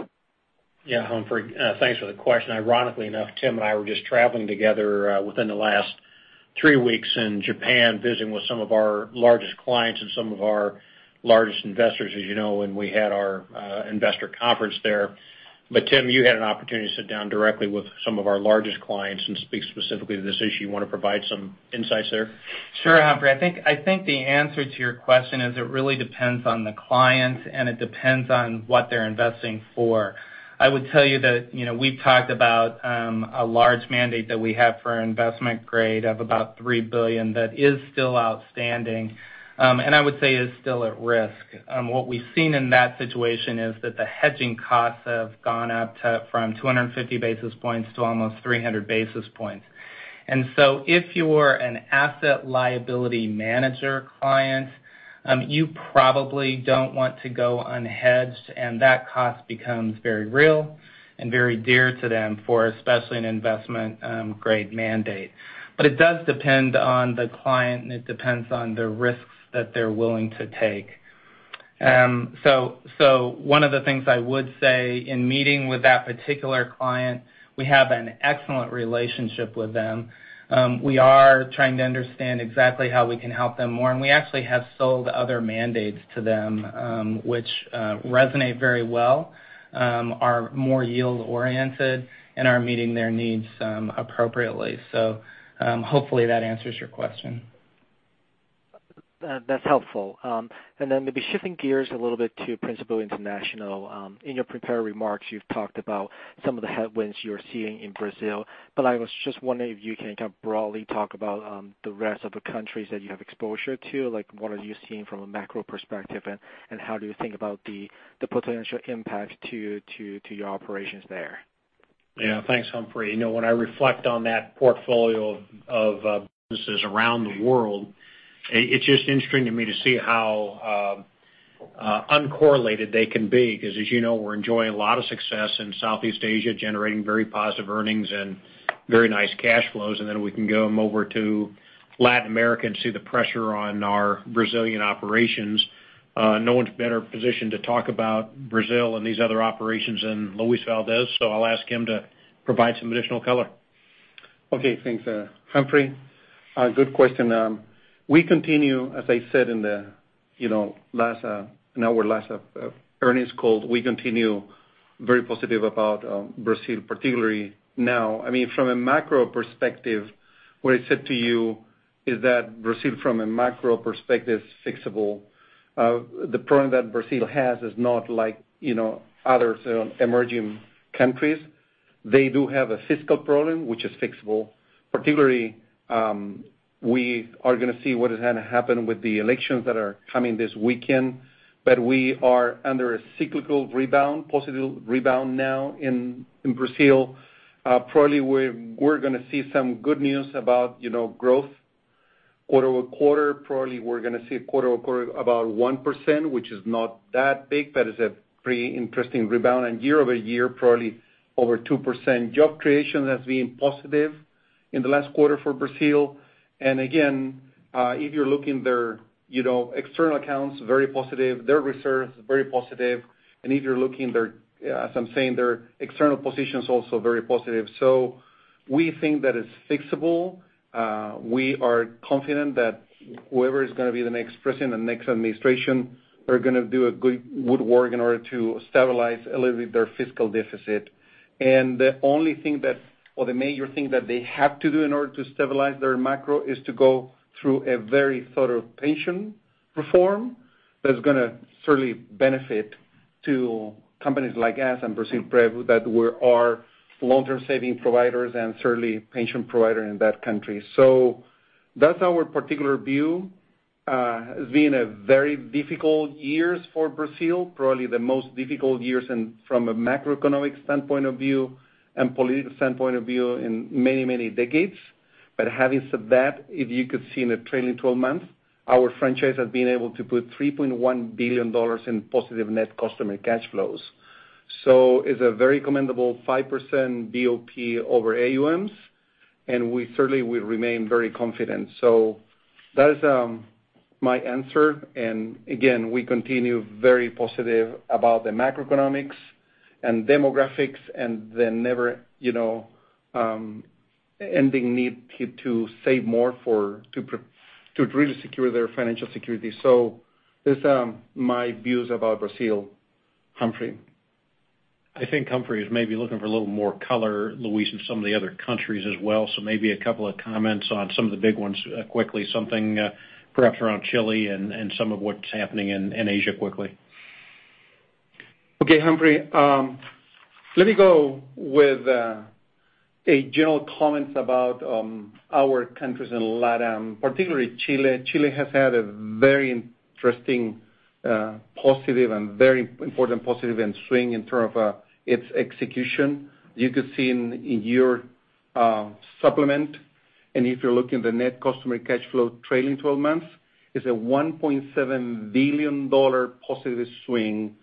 Humphrey, thanks for the question. Ironically enough, Tim and I were just traveling together within the last 3 weeks in Japan, visiting with some of our largest clients and some of our largest investors, as you know, and we had our investor conference there. Tim, you had an opportunity to sit down directly with some of our largest clients and speak specifically to this issue. You want to provide some insights there? Sure, Humphrey. I think the answer to your question is it really depends on the client and it depends on what they're investing for. I would tell you that, we've talked about, a large mandate that we have for investment grade of about $3 billion that is still outstanding. I would say is still at risk. What we've seen in that situation is that the hedging costs have gone up to from 250 basis points to almost 300 basis points. If you're an asset liability manager client, you probably don't want to go unhedged, and that cost becomes very real and very dear to them for especially an investment grade mandate. It does depend on the client, and it depends on the risks that they're willing to take. One of the things I would say in meeting with that particular client, we have an excellent relationship with them. We are trying to understand exactly how we can help them more, and we actually have sold other mandates to them, which resonate very well, are more yield-oriented, and are meeting their needs appropriately. Hopefully, that answers your question. That's helpful. Then maybe shifting gears a little bit to Principal International. In your prepared remarks, you've talked about some of the headwinds you're seeing in Brazil, I was just wondering if you can kind of broadly talk about the rest of the countries that you have exposure to, like what are you seeing from a macro perspective, and how do you think about the potential impact to your operations there? Thanks, Humphrey. When I reflect on that portfolio of businesses around the world, it's just interesting to me to see how uncorrelated they can be, because as you know, we're enjoying a lot of success in Southeast Asia, generating very positive earnings and very nice cash flows, and then we can go on over to Latin America and see the pressure on our Brazilian operations. No one's better positioned to talk about Brazil and these other operations than Luis Valdés, so I'll ask him to provide some additional color. Thanks, Humphrey. Good question. We continue, as I said in our last earnings call, we continue very positive about Brazil, particularly now. From a macro perspective, what I said to you is that Brazil, from a macro perspective, fixable. The problem that Brazil has is not like other emerging countries. They do have a fiscal problem, which is fixable. Particularly, we are going to see what is going to happen with the elections that are coming this weekend. We are under a cyclical rebound, positive rebound now in Brazil. Probably we're going to see some good news about growth quarter-over-quarter. Probably we're going to see quarter-over-quarter about 1%, which is not that big, but it's a pretty interesting rebound. Year-over-year, probably over 2%. Job creation has been positive in the last quarter for Brazil. Again, if you're looking there, external accounts, very positive, their reserves, very positive. If you're looking, as I'm saying, their external position is also very positive. We think that it's fixable. We are confident that whoever is going to be the next president, the next administration are going to do a good work in order to stabilize a little bit their fiscal deficit. The only thing that, or the major thing that they have to do in order to stabilize their macro is to go through a very thorough pension reform that's going to certainly benefit to companies like us and Brasilprev, that we are long-term saving providers and certainly pension provider in that country. That's our particular view. It's been a very difficult years for Brazil, probably the most difficult years from a macroeconomic standpoint of view and political standpoint of view in many, many decades. Having said that, if you could see in the trailing 12 months, our franchise has been able to put $3.1 billion in positive net customer cash flows. It's a very commendable 5% BOP over AUMs. We certainly will remain very confident. That is my answer. Again, we continue very positive about the macroeconomics and demographics and the never ending need to save more to really secure their financial security. That's my views about Brazil, Humphrey. I think Humphrey is maybe looking for a little more color, Luis, in some of the other countries as well. Maybe a couple of comments on some of the big ones quickly, something perhaps around Chile and some of what's happening in Asia quickly. Okay, Humphrey. Let me go with a general comments about our countries in LatAm, particularly Chile. Chile has had a very interesting positive and very important positive and swing in term of its execution. You could see in your supplement, and if you're looking at the net customer cash flow trailing 12 months. It's a $1.7 billion positive swing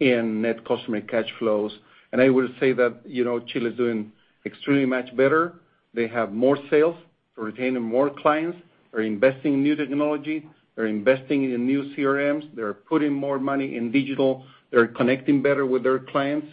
in net customer cash flows. I will say that Chile is doing extremely much better. They have more sales. They're retaining more clients. They're investing in new technology. They're investing in new CRMs. They're putting more money in digital. They're connecting better with their clients.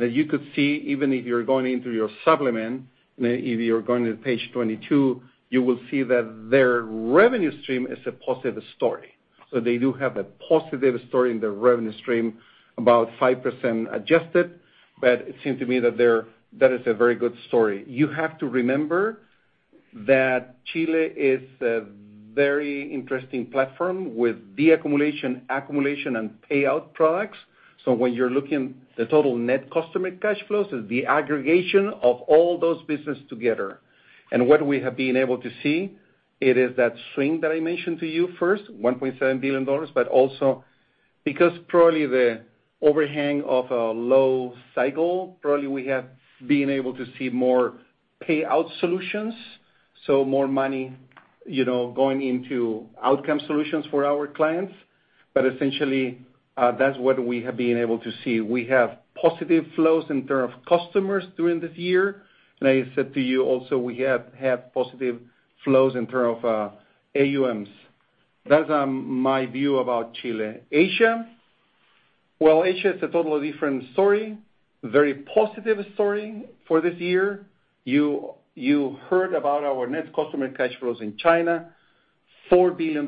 As you could see, even if you're going into your supplement, if you're going to page 22, you will see that their revenue stream is a positive story. They do have a positive story in their revenue stream, about 5% adjusted, but it seems to me that is a very good story. You have to remember that Chile is a very interesting platform with de-accumulation, accumulation, and payout products. When you're looking the total net customer cash flows is the aggregation of all those business together. What we have been able to see, it is that swing that I mentioned to you first, $1.7 billion, but also because probably the overhang of a low cycle, probably we have been able to see more payout solutions, so more money going into outcome solutions for our clients. Essentially, that's what we have been able to see. We have positive flows in terms of customers during this year. I said to you also, we have had positive flows in terms of AUMs. That's my view about Chile. Asia. Well, Asia is a totally different story. Very positive story for this year. You heard about our net customer cash flows in China, $4 billion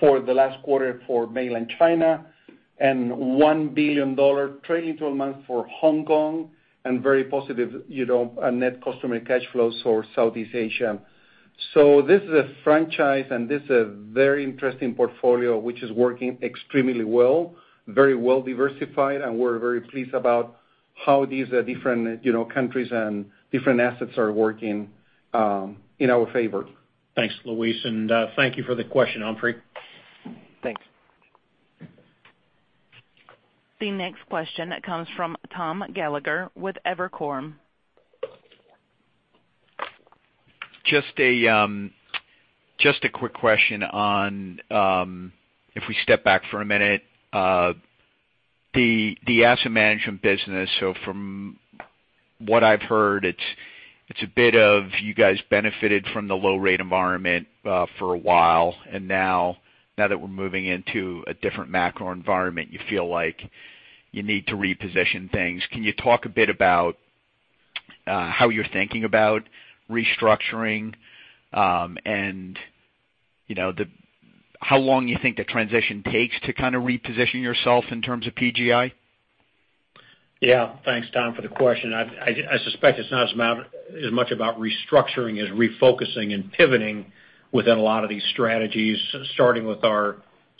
for the last quarter for mainland China, and $1 billion trailing 12 months for Hong Kong, and very positive net customer cash flows for Southeast Asia. This is a franchise, and this is a very interesting portfolio, which is working extremely well, very well-diversified, and we're very pleased about how these different countries and different assets are working in our favor. Thanks, Luis, and thank you for the question, Humphrey. Thanks. The next question comes from Thomas Gallagher with Evercore. Just a quick question on if we step back for a minute. The asset management business, so from what I've heard, it's a bit of you guys benefited from the low rate environment for a while, and now that we're moving into a different macro environment, you feel like you need to reposition things. Can you talk a bit about how you're thinking about restructuring? How long you think the transition takes to kind of reposition yourself in terms of PGI? Yeah. Thanks, Tom, for the question. I suspect it's not as much about restructuring as refocusing and pivoting within a lot of these strategies, starting with our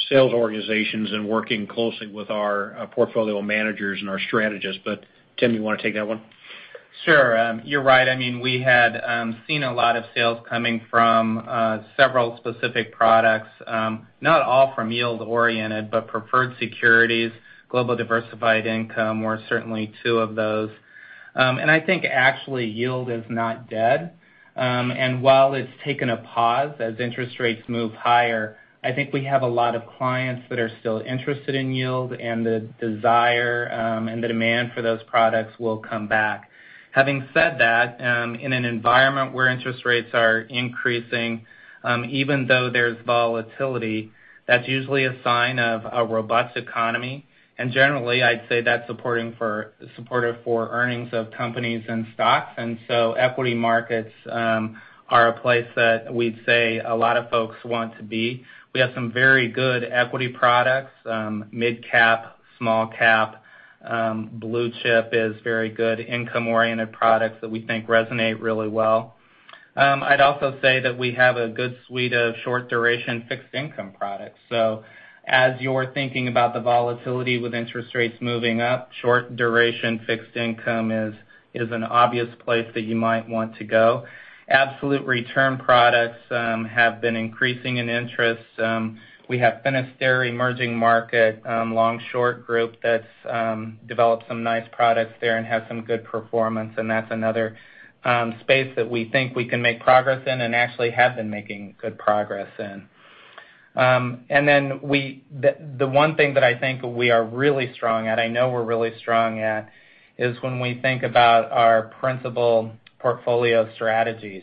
sales organizations and working closely with our portfolio managers and our strategists. Tim, you want to take that one? Sure. You're right. We had seen a lot of sales coming from several specific products. Not all from yield-oriented, but preferred securities, global diversified income were certainly two of those. I think actually yield is not dead. While it's taken a pause as interest rates move higher, I think we have a lot of clients that are still interested in yield and the desire, and the demand for those products will come back. Having said that, in an environment where interest rates are increasing, even though there's volatility, that's usually a sign of a robust economy, and generally, I'd say that's supportive for earnings of companies and stocks. Equity markets are a place that we'd say a lot of folks want to be. We have some very good equity products, mid-cap, small cap. Blue chip is very good income-oriented products that we think resonate really well. I'd also say that we have a good suite of short duration fixed income products. As you're thinking about the volatility with interest rates moving up, short duration fixed income is an obvious place that you might want to go. Absolute return products have been increasing in interest. We have Finisterre emerging market, Long Short group that's developed some nice products there and has some good performance, and that's another space that we think we can make progress in and actually have been making good progress in. Then the one thing that I think we are really strong at, I know we're really strong at, is when we think about our Principal Portfolio Strategies.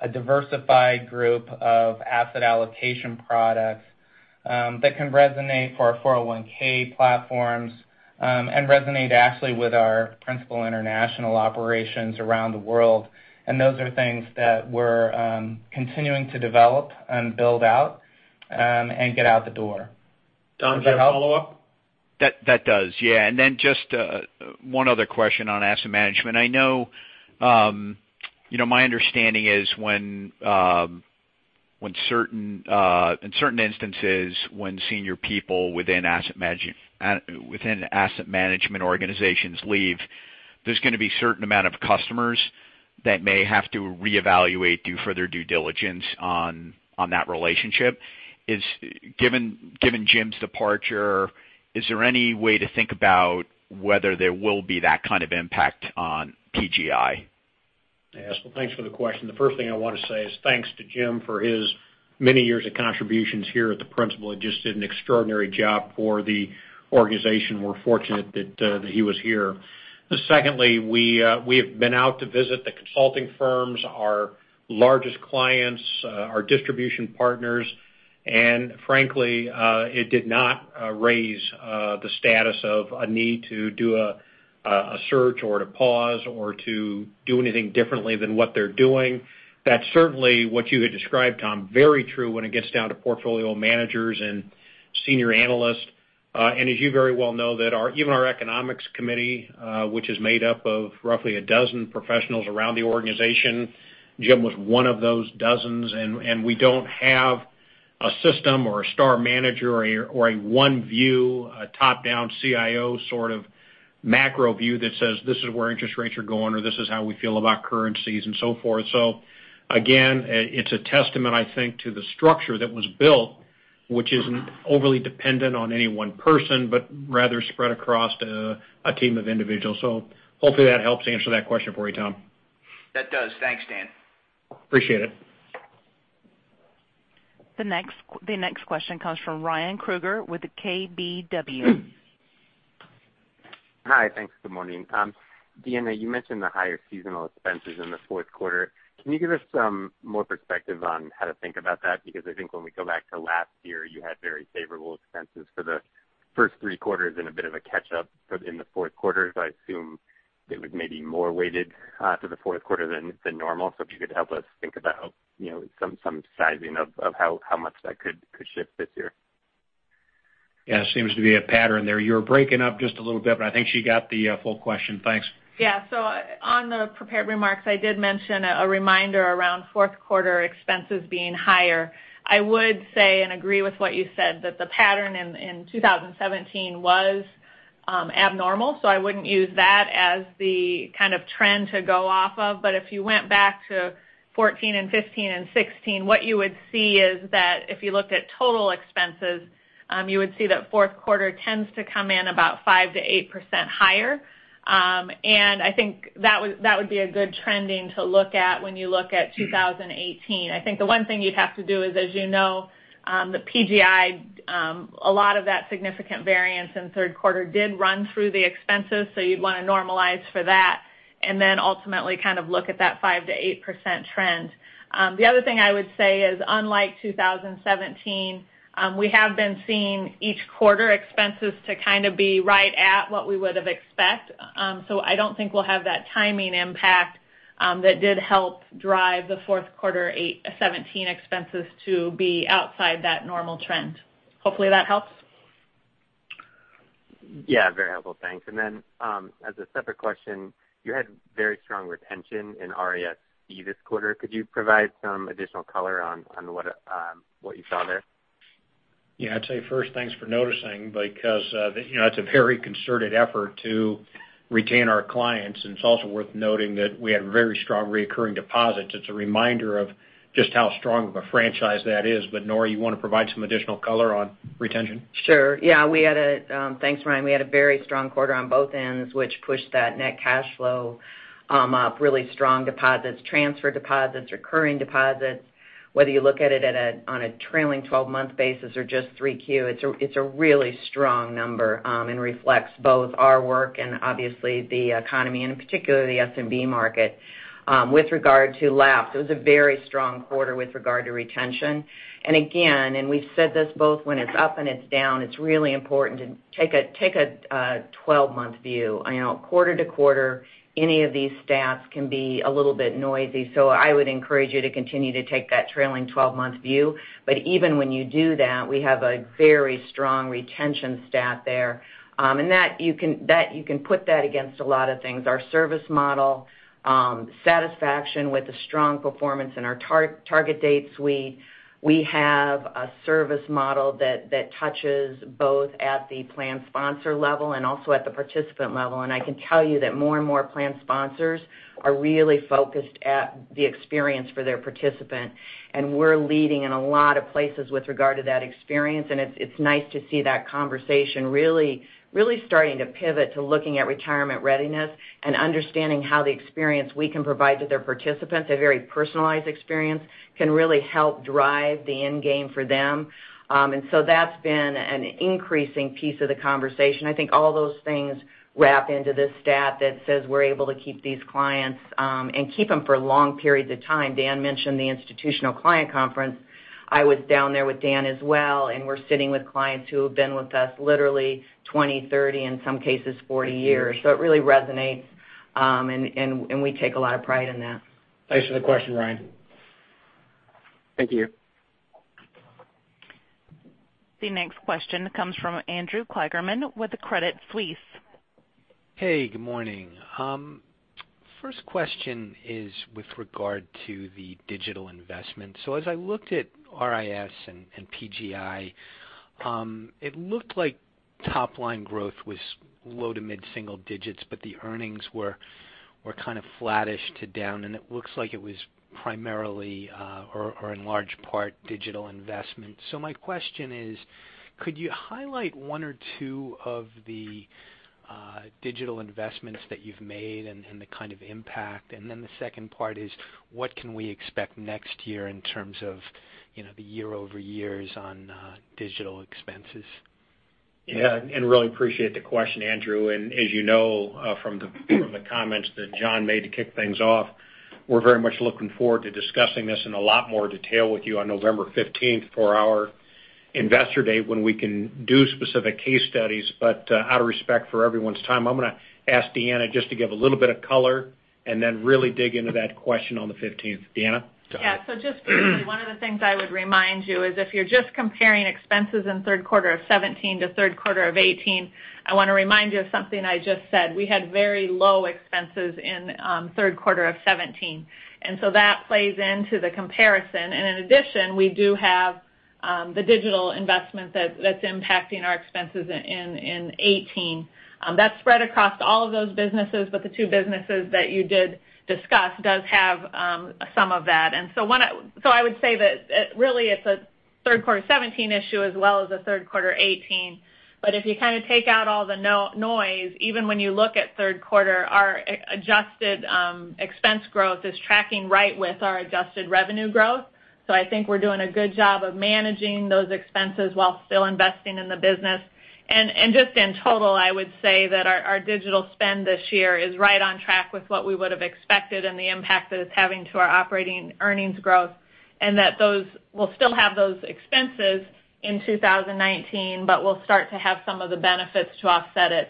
A diversified group of asset allocation products that can resonate for our 401 platforms and resonate actually with our Principal International operations around the world. Those are things that we're continuing to develop and build out, and get out the door. Does that help? Tom, is that a follow-up? That does, yeah. Just one other question on asset management. My understanding is in certain instances, when senior people within asset management organizations leave, there's going to be certain amount of customers that may have to reevaluate, do further due diligence on that relationship. Given Jim's departure, is there any way to think about whether there will be that kind of impact on PGI? Yes. Well, thanks for the question. The first thing I want to say is thanks to Jim for his many years of contributions here at the Principal. He just did an extraordinary job for the organization. We're fortunate that he was here. Secondly, we have been out to visit the consulting firms, our largest clients, our distribution partners, and frankly, it did not raise the status of a need to do a search or to pause or to do anything differently than what they're doing. That's certainly what you had described, Tom, very true when it gets down to portfolio managers and senior analysts. As you very well know that even our economics committee, which is made up of roughly a dozen professionals around the organization, Jim was one of those dozens. We don't have a system or a star manager or a one view, a top-down CIO sort of macro view that says, "This is where interest rates are going," or, "This is how we feel about currencies," and so forth. Again, it's a testament, I think, to the structure that was built, which isn't overly dependent on any one person, but rather spread across a team of individuals. Hopefully that helps answer that question for you, Tom. That does. Thanks, Dan. Appreciate it. The next question comes from Ryan Krueger with KBW. Hi. Thanks. Good morning. Deanna, you mentioned the higher seasonal expenses in the fourth quarter. Can you give us some more perspective on how to think about that? I think when we go back to last year, you had very favorable expenses for the first three quarters and a bit of a catch-up in the fourth quarter. I assume it was maybe more weighted to the fourth quarter than normal. If you could help us think about some sizing of how much that could shift this year. Yeah. Seems to be a pattern there. You are breaking up just a little bit, but I think she got the full question. Thanks. On the prepared remarks, I did mention a reminder around fourth quarter expenses being higher. I would say, and agree with what you said, that the pattern in 2017 was abnormal, so I wouldn't use that as the kind of trend to go off of. If you went back to 2014 and 2015 and 2016, what you would see is that if you looked at total expenses, you would see that fourth quarter tends to come in about 5%-8% higher. I think that would be a good trending to look at when you look at 2018. I think the one thing you'd have to do is, as you know, the PGI, a lot of that significant variance in third quarter did run through the expenses, so you'd want to normalize for that and then ultimately look at that 5%-8% trend. The other thing I would say is, unlike 2017, we have been seeing each quarter expenses to kind of be right at what we would have expect. I don't think we'll have that timing impact that did help drive the fourth quarter 2017 expenses to be outside that normal trend. Hopefully that helps. Yeah, very helpful. Thanks. As a separate question, you had very strong retention in RIS this quarter. Could you provide some additional color on what you saw there? I'd say first, thanks for noticing because that's a very concerted effort to retain our clients, and it's also worth noting that we had very strong recurring deposits. It's a reminder of just how strong of a franchise that is. Nora, you want to provide some additional color on retention? Thanks, Ryan. We had a very strong quarter on both ends, which pushed that net cash flow up. Really strong deposits, transfer deposits, recurring deposits. Whether you look at it on a trailing 12-month basis or just 3Q, it's a really strong number, and reflects both our work and obviously the economy, and particularly the SMB market. With regard to lapse, it was a very strong quarter with regard to retention. Again, and we've said this both when it's up and it's down, it's really important to take a 12-month view. Quarter to quarter, any of these stats can be a little bit noisy. I would encourage you to continue to take that trailing 12-month view. Even when you do that, we have a very strong retention stat there. That you can put that against a lot of things. Our service model, satisfaction with the strong performance in our target date suite. We have a service model that touches both at the plan sponsor level and also at the participant level, and I can tell you that more and more plan sponsors are really focused at the experience for their participant. We're leading in a lot of places with regard to that experience, and it's nice to see that conversation really starting to pivot to looking at retirement readiness and understanding how the experience we can provide to their participants, a very personalized experience, can really help drive the end game for them. That's been an increasing piece of the conversation. I think all those things wrap into this stat that says we're able to keep these clients, and keep them for long periods of time. Dan mentioned the institutional client conference. I was down there with Dan as well, and we're sitting with clients who have been with us literally 20, 30, in some cases, 40 years. It really resonates, and we take a lot of pride in that. Thanks for the question, Ryan. Thank you. The next question comes from Andrew Kligerman with Credit Suisse. Hey, good morning. First question is with regard to the digital investment. As I looked at RIS and PGI, it looked like top-line growth was low to mid-single digits, but the earnings were kind of flattish to down, and it looks like it was primarily, or in large part, digital investment. My question is: Could you highlight one or two of the digital investments that you've made and the kind of impact? Then the second part is: What can we expect next year in terms of the year-over-years on digital expenses? Really appreciate the question, Andrew. As you know from the comments that John made to kick things off, we're very much looking forward to discussing this in a lot more detail with you on November 15th for our Investor Day, when we can do specific case studies. Out of respect for everyone's time, I'm going to ask Deanna just to give a little bit of color and then really dig into that question on the 15th. Deanna? Just one of the things I would remind you is if you're just comparing expenses in third quarter of 2017 to third quarter of 2018, I want to remind you of something I just said. We had very low expenses in third quarter of 2017. That plays into the comparison. In addition, we do have the digital investment that's impacting our expenses in 2018. That's spread across all of those businesses, but the two businesses that you did discuss does have some of that. I would say that really it's a third quarter 2017 issue as well as a third quarter 2018. If you kind of take out all the noise, even when you look at third quarter, our adjusted expense growth is tracking right with our adjusted revenue growth. I think we're doing a good job of managing those expenses while still investing in the business. Just in total, I would say that our digital spend this year is right on track with what we would have expected and the impact that it's having to our operating earnings growth. Those will still have those expenses in 2019, but we'll start to have some of the benefits to offset it.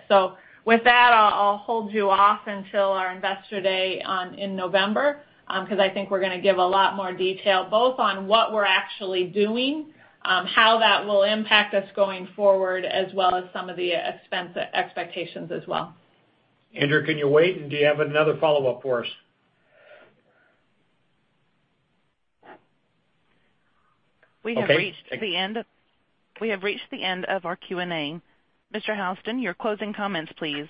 With that, I'll hold you off until our Investor Day in November, because I think we're going to give a lot more detail, both on what we're actually doing, how that will impact us going forward, as well as some of the expense expectations as well. Andrew, can you wait? Do you have another follow-up for us? We have reached the end of our Q&A. Mr. Houston, your closing comments, please.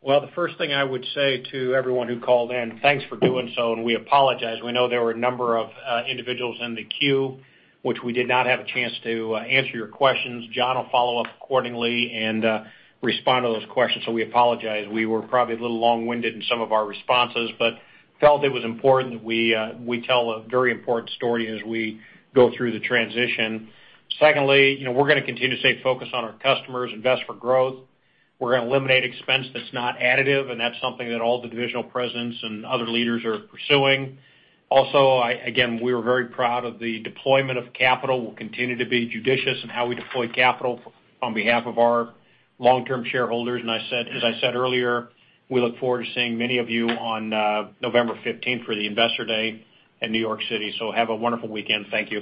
Well, the first thing I would say to everyone who called in, thanks for doing so. We apologize. We know there were a number of individuals in the queue, which we did not have a chance to answer your questions. John will follow up accordingly and respond to those questions. We apologize. We were probably a little long-winded in some of our responses, but felt it was important that we tell a very important story as we go through the transition. Secondly, we're going to continue to stay focused on our customers, invest for growth. We're going to eliminate expense that's not additive, and that's something that all the divisional presidents and other leaders are pursuing. Again, we are very proud of the deployment of capital. We'll continue to be judicious in how we deploy capital on behalf of our long-term shareholders. As I said earlier, we look forward to seeing many of you on November 15th for the investor day in New York City. Have a wonderful weekend. Thank you.